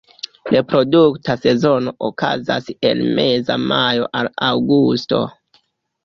Reprodukta sezono okazas el meza majo al aŭgusto.